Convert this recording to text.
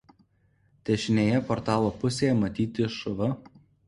Dešinėje portalo pusėje matyti šv.